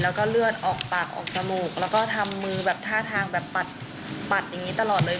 แล้วก็เลือดออกปากออกจมูกแล้วก็ทำมือแบบท่าทางแบบปัดอย่างนี้ตลอดเลย